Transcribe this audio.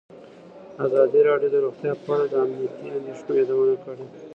ازادي راډیو د روغتیا په اړه د امنیتي اندېښنو یادونه کړې.